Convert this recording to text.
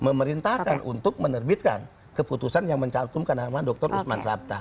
memerintahkan untuk menerbitkan keputusan yang mencantumkan nama dr usman sabta